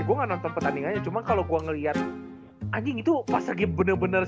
gue nonton pertandingannya cuma kalau gua ngelihat anjing itu pas lagi bener bener